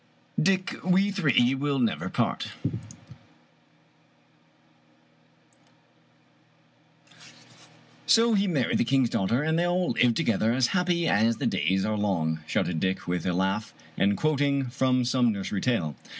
Dick, we three will never part !" 48 FUzjames O^Brien " So he married the king's daughter, and they all lived together as happy as the days are long/' shouted Dick with a laugh, quoting from some nursery tale.